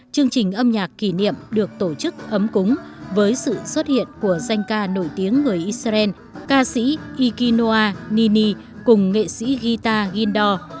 chương trình âm nhạc kỷ niệm được tổ chức ấm cúng với sự xuất hiện của danh ca nổi tiếng người israel ca sĩ ikinoa nini cùng nghệ sĩ guitar ghidor